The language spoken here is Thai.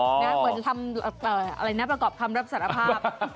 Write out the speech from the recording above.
เหมือนทำอะไรนะประกอบคำรับสารภาพ